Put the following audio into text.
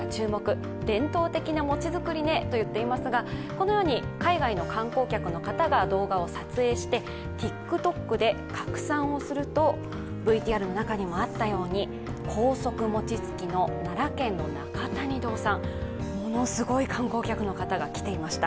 このように海外の観光客の方が動画を撮影してＴｉｋＴｏｋで拡散をすると、ＶＴＲの中にもあったように高速餅つきの奈良県の中谷堂さん、ものすごい観光客の方が来ていました。